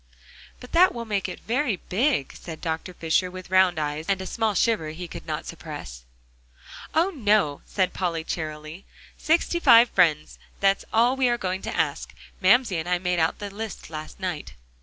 "But that will make it very big," said Dr. Fisher, with round eyes and a small shiver he could not suppress. "Oh, no!" said Polly cheerily, "sixty five friends; that's all we are going to ask; Mamsie and I made out the list last night."